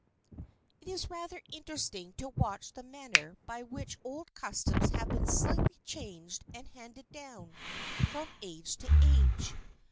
It is rather interesting to watch the manner by which old customs have been slightly changed and handed down from age to age.